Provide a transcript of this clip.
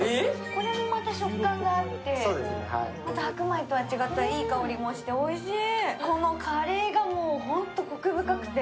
これまた食感があって白米と違ったいい香りもして、おいしい！